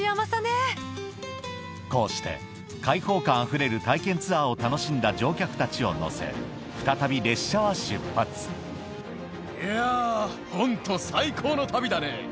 こうして開放感あふれる体験ツアーを楽しんだ乗客たちを乗せ再び列車は出発いやホント最高の旅だね。